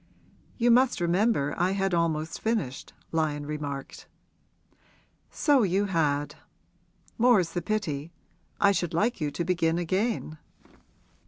'You must remember I had almost finished,' Lyon remarked. 'So you had. More's the pity. I should like you to begin again.'